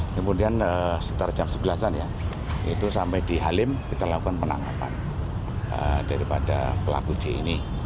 kemudian setelah jam sebelas an ya itu sampai di halim kita lakukan penangkapan daripada pelaku j ini